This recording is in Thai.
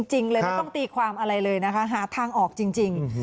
จริงเลยไม่ต้องตีความอะไรเลยนะคะหาทางออกจริง